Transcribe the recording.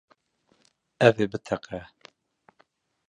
Ev ê biteqe.